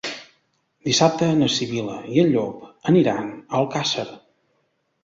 Dissabte na Sibil·la i en Llop aniran a Alcàsser.